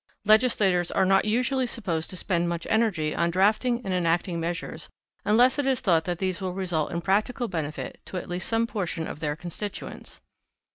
Legislators are not usually supposed to spend much energy on drafting and enacting measures unless it is thought that these will result in practical benefit to at least some portion of their constituents.